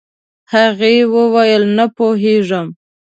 هغې وويل نه پوهيږم.